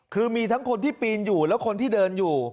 คือมีทั้งคนที่ปีนอยู่และคนที่เดินอยู่